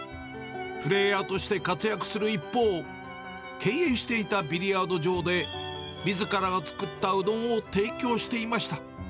プレーヤーとして活躍する一方、経営していたビリヤード場で、みずからが作ったうどんを提供していました。